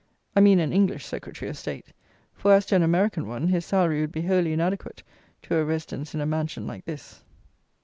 I mean an English Secretary of State; for, as to an American one, his salary would be wholly inadequate to a residence in a mansion like this.